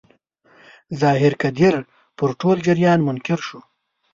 ظاهر قدیر پر ټول جریان منکر شو.